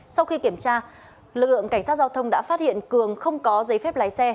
sau khi kiểm tra lực lượng cảnh sát giao thông đã phát hiện cường không có giấy phép lái xe